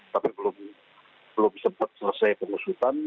tapi belum sempat selesai pengusutan